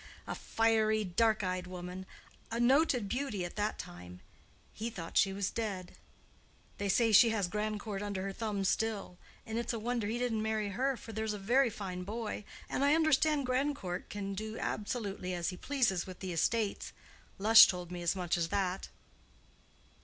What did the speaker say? A fiery dark eyed woman—a noted beauty at that time—he thought she was dead. They say she has Grandcourt under her thumb still, and it's a wonder he didn't marry her, for there's a very fine boy, and I understand Grandcourt can do absolutely as he pleases with the estates. Lush told me as much as that."